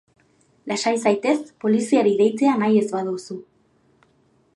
Lasai zaitez poliziari deitzea nahi ez baduzu.